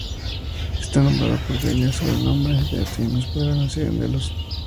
Está nombrado por Delia, sobrenombre de Artemis por haber nacido en Delos.